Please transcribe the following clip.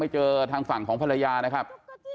เจอทางฝั่งของภรรยานะครับ